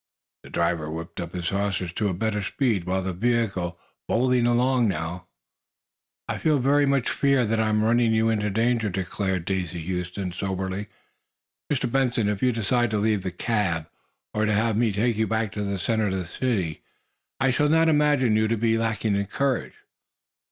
The driver whipped up his horses to a better speed, the vehicle bowling along now. "I very much fear that I am running you into danger," declared Daisy Huston, soberly. "Mr. Benson, if you decide to leave the cab, or to have me take you back to the center of the city, I shall not imagine you to be lacking in courage."